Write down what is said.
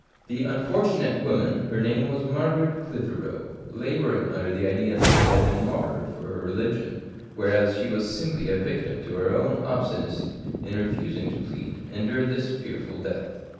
The unfortunate woman, — her name was Margaret Clitheroe, — labouring under the idea that she was being martyred for her religion, whereas she was simply a victim to her own obstinacy in refusing to plead, endured this fearful death.